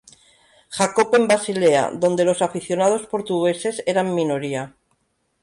Jakob en Basilea, donde los aficionados portugueses eran minoría.